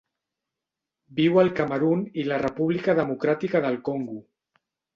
Viu al Camerun i la República Democràtica del Congo.